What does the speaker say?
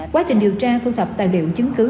quá trình điều tra thu thập tài liệu chứng cứ